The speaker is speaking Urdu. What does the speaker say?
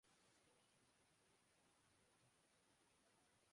ماہ میر کی ناکامی کے سوال پر انجم شہزاد برہم